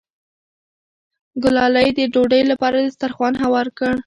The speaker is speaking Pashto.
ګلالۍ د ډوډۍ لپاره دسترخوان هوار کړ.